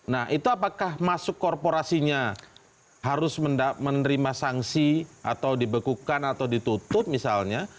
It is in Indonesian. nah itu apakah masuk korporasinya harus menerima sanksi atau dibekukan atau ditutup misalnya